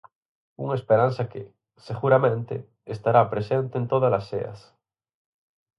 Unha esperanza que, seguramente, estará presente en todas as ceas.